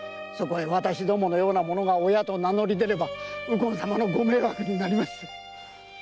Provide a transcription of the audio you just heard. そこへ私どものような者が親と名乗り出れば右近様のご迷惑になります。